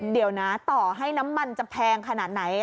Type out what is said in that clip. เดี๋ยวนะต่อให้น้ำมันจะแพงขนาดไหน